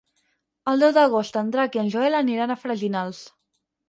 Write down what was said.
El deu d'agost en Drac i en Joel aniran a Freginals.